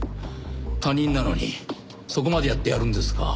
他人なのにそこまでやってやるんですか。